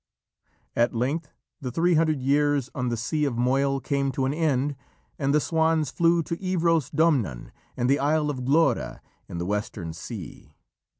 At length the three hundred years on the Sea of Moyle came to an end, and the swans flew to Ivros Domnann and the Isle of Glora in the western sea.